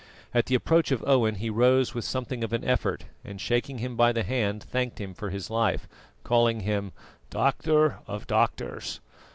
At the approach of Owen he rose with something of an effort, and, shaking him by the hand, thanked him for his life, calling him "doctor of doctors."